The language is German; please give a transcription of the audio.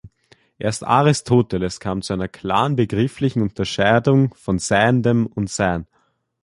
Erst Aristoteles kam zu einer klaren begrifflichen Unterscheidung von Seiendem und Sein.